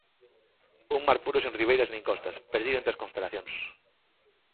Un mar puro sen ribeiras nin costas, perdido entre as constelacións.